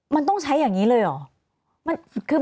มันต้องใช้อย่างนี้เลยเหรอ